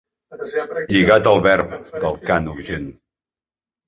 Lligat al verb del cant urgent.